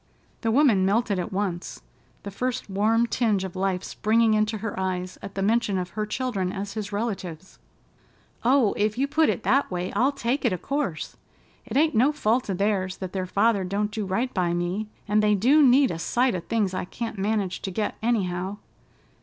The woman melted at once, the first warm tinge of life springing into her eyes at the mention of her children as his relatives. "Oh, if you put it that way, I'll take it o' course. It ain't no fault of theirs that their father don't do right by me, and they do need a sight of things I can't manage to get anyhow.